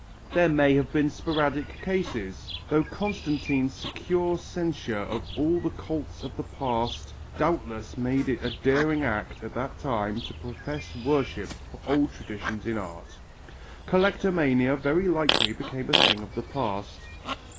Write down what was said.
There may have been sporadic cases, though Constantine's severe censure of all the cults of the past doubtlessly made it a daring act at that time to profess worship for old traditions in art. Collectomania very likely became a thing of the past.